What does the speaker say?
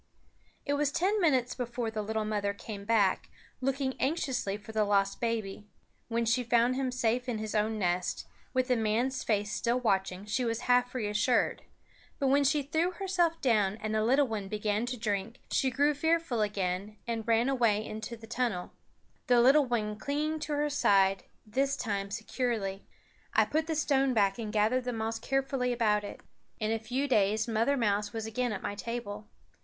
It was ten minutes before the little mother came back, looking anxiously for the lost baby. When she found him safe in his own nest, with the man's face still watching, she was half reassured; but when she threw herself down and the little one began to drink, she grew fearful again and ran away into the tunnel, the little one clinging to her side, this time securely. I put the stone back and gathered the moss carefully about it. In a few days Mother Mouse was again at my table.